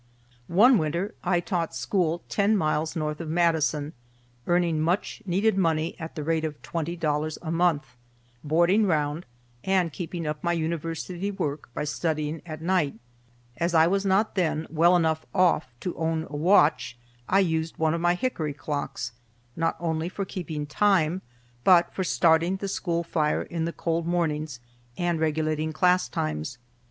One winter I taught school ten miles south of Madison, earning much needed money at the rate of twenty dollars a month, "boarding round," and keeping up my University work by studying at night. As I was not then well enough off to own a watch, I used one of my hickory clocks, not only for keeping time, but for starting the school fire in the cold mornings, and regulating class times.